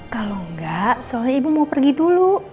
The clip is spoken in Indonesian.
kalau enggak soalnya ibu mau pergi dulu